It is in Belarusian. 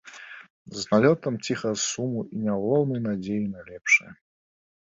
З налётам ціхага суму і няўлоўнай надзеяй на лепшае.